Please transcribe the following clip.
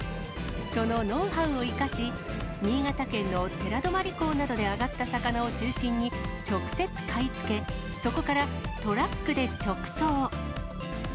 そのノウハウを生かし、新潟県の寺泊港などで揚がった魚を中心に、直接買い付け、そこからトラックで直送。